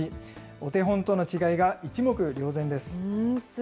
お手本との違いが一目瞭然です。